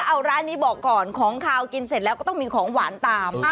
เอาร้านนี้บอกก่อนของขาวกินเสร็จแล้วก็ต้องมีของหวานตาม